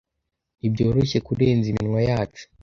ntibyoroshye kurenza iminwa yacu